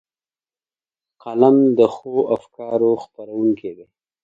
قلم د ښو افکارو خپرونکی دی